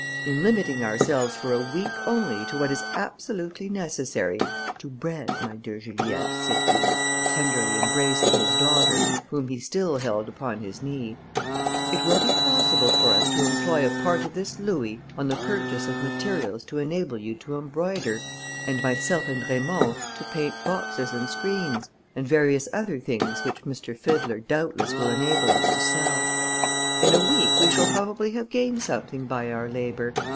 In limiting ourselves for a week only to what is absolutely necessary, to bread, my dear Juliette," said he, tenderly embracing his daughter, whom he still held upon his knee, "it will be possible for us to employ a part of this louis on the purchase of materials to enable you to embroider, and myself and Raymond to paint boxes and screens, and various other things which M. Fiddler doubtless will enable us to sell. In a week we shall probably have gained something by our labour.